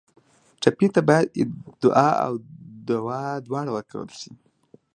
ټپي ته باید دعا او دوا دواړه ورکړل شي.